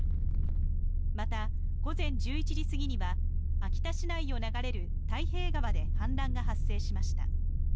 また午前１１時過ぎには秋田市内を流れる太平川で氾濫が発生しました。